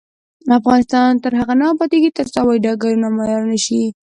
افغانستان تر هغو نه ابادیږي، ترڅو هوايي ډګرونه معیاري نشي.